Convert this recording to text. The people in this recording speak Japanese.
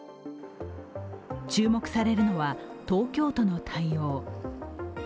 注目されるのは東京都の対応。